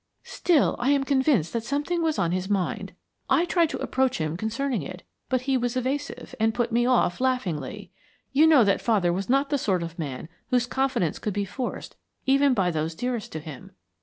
"Still, I am convinced that something was on his mind. I tried to approach him concerning it, but he was evasive, and put me off, laughingly. You know that father was not the sort of man whose confidence could be forced even by those dearest to him.